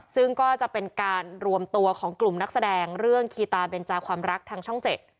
ซึ่งก็จะเป็นการรวมตัวของกลุ่มนักแสดงเรื่องคีตาเบนจาความรักทางช่องเจ็ด